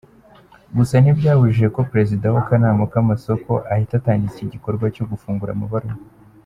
Gusa ntibyabujije ko Perezida w’akanama k’amasoko ahita atangiza igikorwa cyo gufungura amabaruwa.